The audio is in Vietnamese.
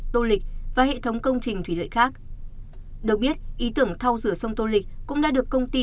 tô lịch và hệ thống công trình thủy lợi khác được biết ý tưởng thao rửa sông tô lịch cũng đã được công ty